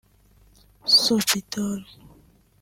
Sobidor